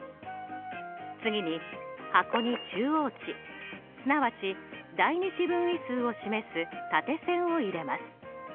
次に箱に中央値すなわち第２四分位数を示す縦線を入れます。